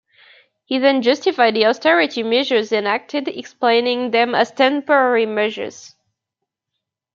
He then justified the austerity measures enacted, explaining them as temporary measures.